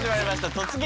「突撃！